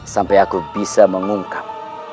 sampai aku bisa mengungkap